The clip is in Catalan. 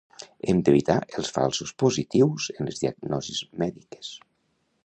Hem d'evitar els falsos positius en les diagnosis mèdiques.